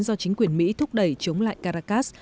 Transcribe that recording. do chính quyền mỹ thúc đẩy chống lại caracas